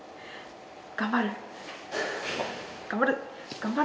頑張る。